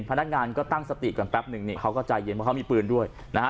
พนักงานก็ตั้งสติก่อนแป๊บนึงนี่เขาก็ใจเย็นเพราะเขามีปืนด้วยนะฮะ